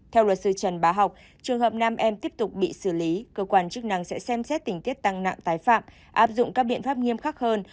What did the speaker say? theo luật sư trần bá học trường hợp nam em tiếp tục bị xử lý cơ quan chức năng sẽ xem xét tình tiết tăng nặng tái phạm áp dụng các biện pháp nghiêm khắc hơn